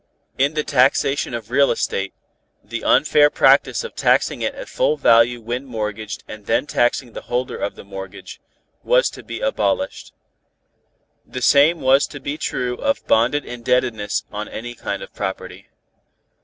In the taxation of real estate, the unfair practice of taxing it at full value when mortgaged and then taxing the holder of the mortgage, was to be abolished. The same was to be true of bonded indebtedness on any kind of property.